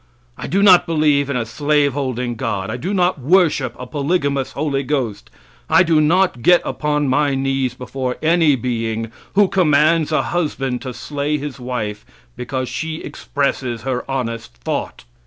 I do not believe in a slave holding God; I do not worship a polygamous Holy Ghost; I do not get upon my knees before any being who commands a husband to slay his wife because she expresses her honest thought.